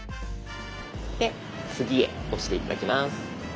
で「次へ」押して頂きます。